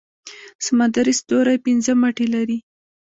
سمندري ستوری پنځه مټې لري